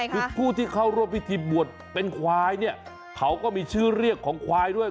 คือผู้ที่เข้าร่วมพิธีบวชเป็นควายเนี่ยเขาก็มีชื่อเรียกของควายด้วย